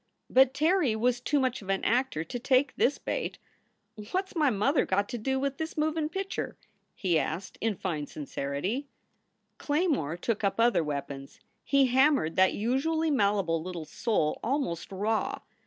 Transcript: But Terry was too much of an actor to take this bait. "What s my mother got to do with this movin pitcher?" he asked, in fine sincerity. SOULS FOR SALE 265 Claymore took up other weapons. He hammered that usually malleable little soul almost raw.